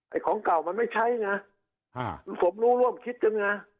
ของเก่ามันไม่ใช้ไงผมรู้ร่วมคิดกันไง